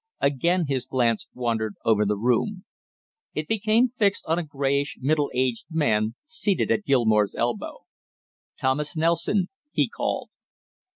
Again his glance wandered over the room. It became fixed on a grayish middle aged man seated at Gilmore's elbow. "Thomas Nelson," he called.